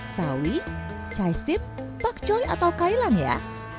sawe caisip bok choy atau kailan ya